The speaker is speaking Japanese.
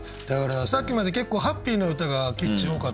だからさっきまで結構ハッピーな歌が「キッチン」